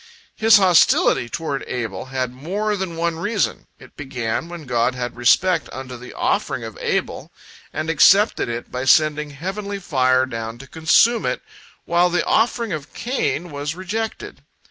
His hostility toward Abel had more than one reason. It began when God had respect unto the offering of Abel, and accepted it by sending heavenly fire down to consume it, while the offering of Cain was rejected.